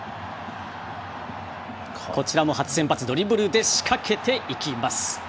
こちらも初先発、ドリブルで仕掛けていきます。